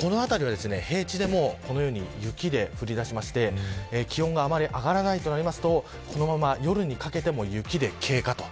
この辺りは、平地でも雪が降りだしまして気温があんまり上がらないとなるとこのまま夜にかけても雪で経過と。